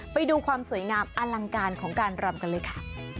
ไปดูความสวยงามอลังการของการรำกันเลยค่ะ